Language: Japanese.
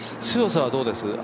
強さはどうです？